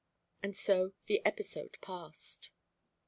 And so the episode passed.